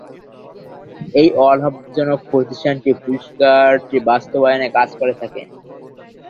এই অ-লাভজনক প্রতিষ্ঠানটি পুরস্কারটির বাস্তবায়নে কাজ করে থাকে।